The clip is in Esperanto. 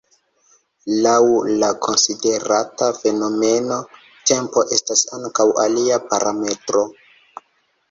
Laŭ la konsiderata fenomeno, tempo estas ankaŭ alia parametro.